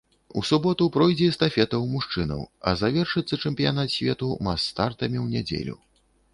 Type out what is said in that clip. У суботу пройдзе эстафета ў мужчынаў, а завершыцца чэмпіянат свету мас-стартамі ў нядзелю.